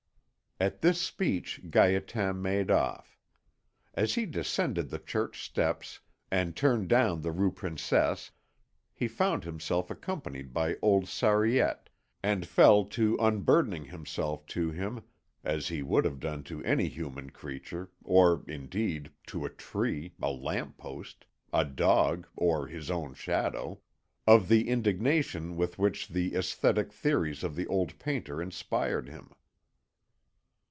At this speech Gaétan made off. As he descended the church steps and turned down the Rue Princesse, he found himself accompanied by old Sariette, and fell to unburdening himself to him, as he would have done to any human creature, or indeed to a tree, a lamp post, a dog, or his own shadow, of the indignation with which the æsthetic theories of the old painter inspired him.